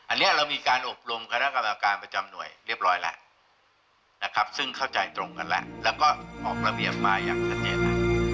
อันนี้เรามีการอบรมคณะกรรมการประจำหน่วยเรียบร้อยแล้วนะครับซึ่งเข้าใจตรงกันแล้วแล้วก็ออกระเบียบมาอย่างชัดเจน